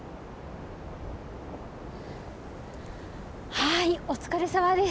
はいお疲れさまです。